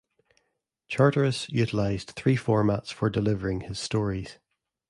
Charteris utilized three formats for delivering his stories.